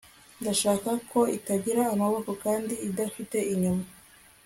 Ndashaka ko itagira amaboko kandi idafite inyuma